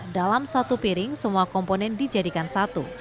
dalam satu piring semua komponen dijadikan satu